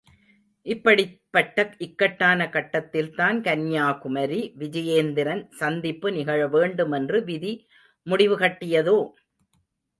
இப்படிப்பட்ட இக்கட்டான கட்டத்தில்தான் கன்யாகுமரி – விஜயேந்திரன் சந்திப்பு நிகழ வேண்டுமென்று விதி முடிவு கட்டியதோ?